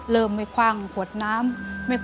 อเรนนี่คือเหตุการณ์เริ่มต้นหลอนช่วงแรกแล้วมีอะไรอีก